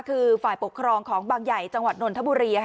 คือฝ่ายปกครองของบางใหญ่จังหวัดนนทบุรี